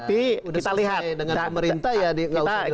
sudah selesai dengan pemerintah ya nggak usah ditolak lagi